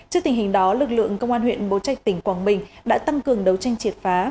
trước tình hình đó lực lượng công an huyện bố trạch tỉnh quảng bình đã tăng cường đấu tranh triệt phá